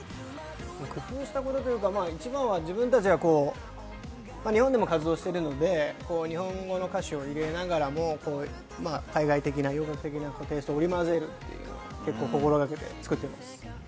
一番は自分たちが日本でも活動していたので、日本語の歌詞を入れながらも海外的な、洋楽的なテイストを織り交ぜるということを心がけて作っています。